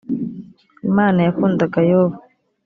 imana yakundaga yobu.